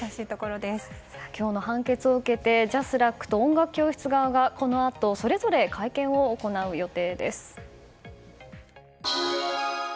今日の判決を受けてＪＡＳＲＡＣと音楽教室側がこのあとそれぞれ会見を行う予定です。